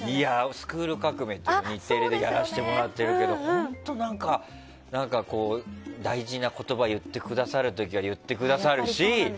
「スクール革命！」って日テレでやらせてもらってるけど本当に大事な言葉を言ってくださる時は言ってくださるし。